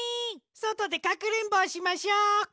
そとでかくれんぼをしましょう。